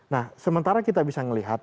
nah sementara kita bisa melihat